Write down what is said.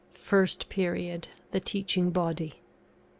FIRST PERIOD THE TEACHING BODY.